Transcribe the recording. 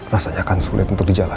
rasanya akan sulit untuk dijalani pak